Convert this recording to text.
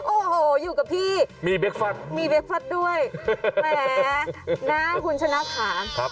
โอ้โฮอยู่กับพี่มีเบรคฟัสด้วยแหมนะคุณชนะคำครับ